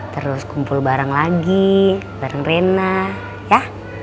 terus kumpul bareng lagi bareng rena ya